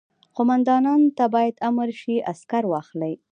قوماندان ته باید امر شي عسکر واخلي.